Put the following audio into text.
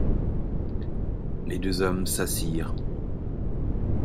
Les deux hommes s’assirent.